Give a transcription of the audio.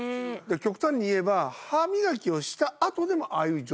極端に言えば歯磨きをしたあとでもああいう状態だって事？